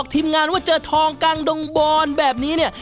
ทีมงานว่าเจอทองกลางดงบอนแบบนี้เนี่ย